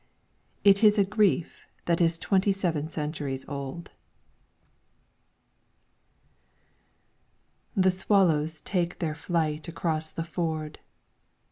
it is a grief that is twenty seven centuries old. Thk swallows take their flight Across the ford.